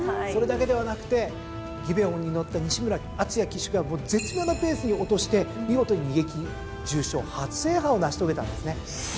それだけではなくてギベオンに乗った西村淳也騎手がもう絶妙なペースに落として見事に逃げ切り重賞初制覇を成し遂げたんですね。